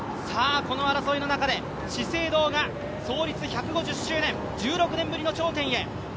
この争いの中で資生堂が創立１５０周年、１６年ぶりの頂点へ。